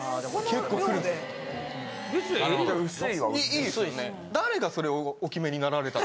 いいですよね。